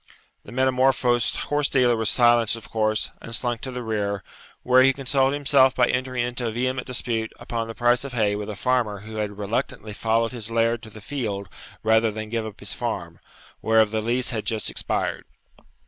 The metamorphosed horse dealer was silenced of course, and slunk to the rear, where he consoled himself by entering into a vehement dispute upon the price of hay with a farmer who had reluctantly followed his laird to the field rather than give up his farm, whereof the lease had just expired.